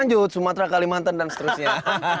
lanjut sumatera kalimantan dan seterusnya